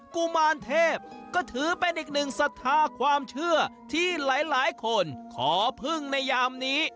กุมารเทพก็ถือเป็นอีกหนึ่งศรัทธาความเชื่อที่หลายคนขอพึ่งในยามนี้